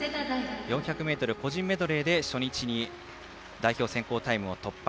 ４００ｍ個人メドレーで初日に代表選考タイムを突破。